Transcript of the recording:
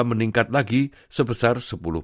meningkat lagi sebesar sepuluh